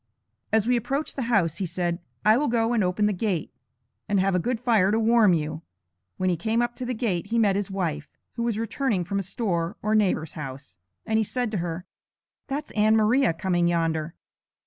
As we approached the house, he said: 'I will go and open the gate, and have a good fire to warm you.' When he came up to the gate, he met his wife, who was returning from a store or neighbor's house, and he said to her, 'That's Ann Maria coming yonder.'